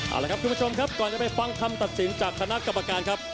เอาละครับคุณผู้ชมครับก่อนจะไปฟังคำตัดสินจากคณะกรรมการครับ